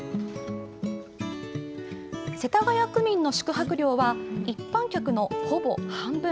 世田谷区民の宿泊料は、一般客のほぼ半分。